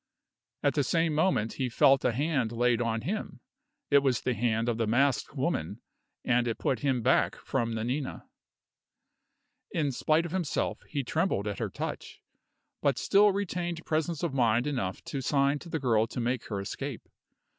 At the same moment he felt a hand laid on him. It was the hand of the masked woman, and it put him back from Nanina. In spite of himself, he trembled at her touch, but still retained presence of mind enough to sign to the girl to make her escape.